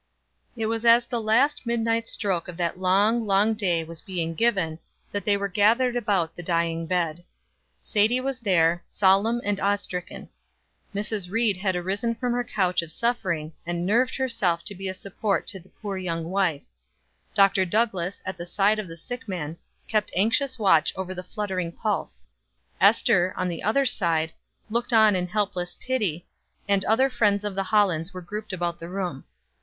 It was as the last midnight stroke of that long, long day was being given, that they were gathered about the dying bed. Sadie was there, solemn and awe stricken. Mrs. Ried had arisen from her couch of suffering, and nerved herself to be a support to the poor young wife. Dr. Douglass, at the side of the sick man, kept anxious watch over the fluttering pulse. Ester, on the other side, looked on in helpless pity, and other friends of the Hollands were grouped about the room.